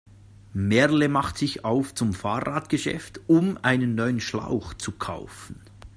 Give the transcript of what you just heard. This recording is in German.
Merle macht sich auf zum Fahrradgeschäft, um einen neuen Schlauch zu kaufen.